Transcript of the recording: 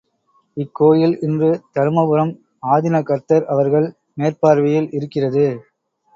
இக்கோயில் இன்று தருமபுரம் ஆதீன கர்த்தர் அவர்கள் மேற்பார்வையில் இருக்கிறது.